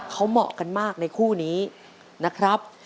เขาเหมาะกันมากในคู่นี้นะครับ